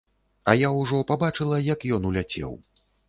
А я ўжо пабачыла, як ён уляцеў.